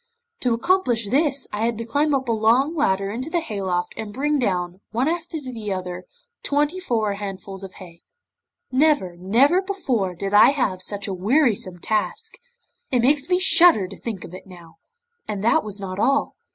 To accomplish this I had to climb up a long ladder into the hayloft, and bring down, one after another, twenty four handfuls of hay. Never, never before, did I have such a wearisome task! It makes me shudder to think of it now, and that was not all.